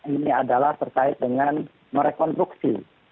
ini adalah terkait dengan merekonstruksi